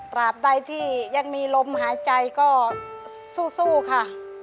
บใดที่ยังมีลมหายใจก็สู้ค่ะ